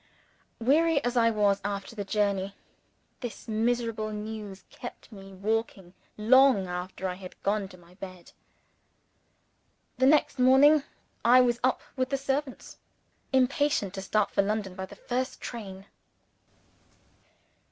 Weary as I was after the journey, this miserable news kept me waking long after I had gone to my bed. The next morning, I was up with the servants impatient to start for London, by the first train.